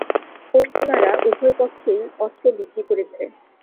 পশ্চিমারা উভয় পক্ষেই অস্ত্র বিক্রি করেছে।